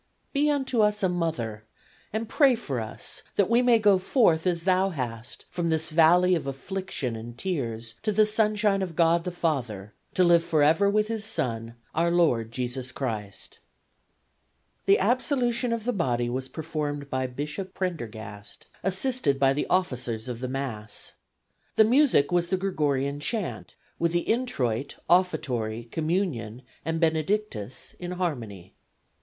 Be unto us a mother and pray for us that we may go forth as thou hast from this valley of affliction and tears to the sunshine of God the Father, to live forever with His Son, our Lord, Jesus Christ." The absolution of the body was performed by Bishop Prendergast, assisted by the officers of the Mass. The music was the Gregorian chant, with the introit, offertory, communion and "Benedictus" in harmony.